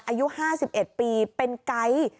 อายุ๕๑ปีเป็นไก๊